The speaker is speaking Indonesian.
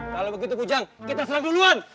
kalau begitu kujang kita selang duluan